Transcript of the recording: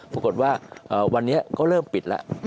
ปรากฏว่าวันนี้ก็เริ่มปิดแล้ว